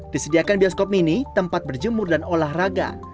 disediakan bioskop mini tempat berjemur dan olahraga